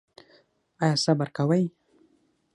ایا صبر کوئ؟